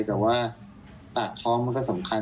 แต่ว่าปากท้องมันก็สำคัญ